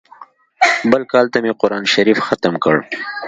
بل کال ته مې قران شريف ختم کړ.